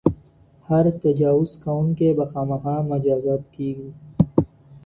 هر تجاوز کوونکی به خامخا مجازات کېږي.